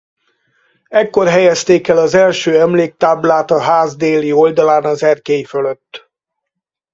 Ekkor helyezték el az első emléktáblát a ház déli oldalán az erkély fölött.